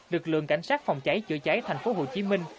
lực lượng cảnh sát phòng cháy chữa cháy thành phố hồ chí minh